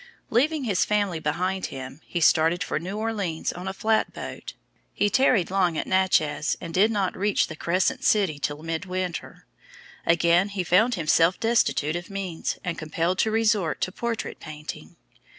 Leaving his family behind him, he started for New Orleans on a flatboat. He tarried long at Natchez, and did not reach the Crescent City till midwinter. Again he found himself destitute of means, and compelled to resort to portrait painting.